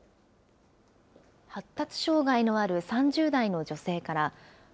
発達障害のある３０代の女性から。